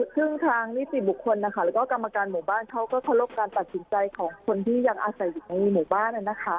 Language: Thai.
ซึ่งทางนิติบุคคลแล้วก็กรรมการหมู่บ้านเขาก็เคารพการตัดสินใจของคนที่ยังอาศัยอยู่ในหมู่บ้าน